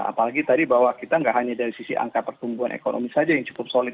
apalagi tadi bahwa kita nggak hanya dari sisi angka pertumbuhan ekonomi saja yang cukup solid